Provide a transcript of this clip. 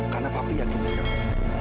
karena papi yakin siapa